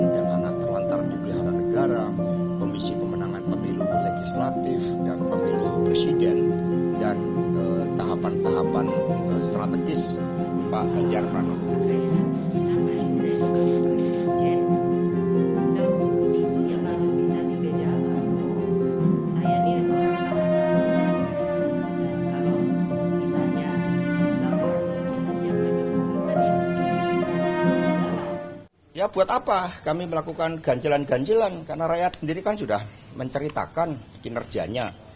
ya buat apa kami melakukan ganjilan ganjilan karena rakyat sendiri kan sudah menceritakan kinerjanya